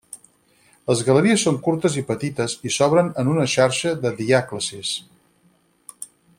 Les galeries són curtes i petites i s'obren en una xarxa de diàclasis.